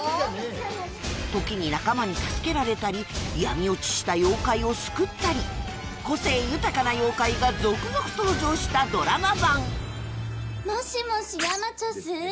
時に仲間に助けられたり闇落ちした妖怪を救ったり個性豊かな妖怪が続々登場したドラマ版もしもしヤマチョス？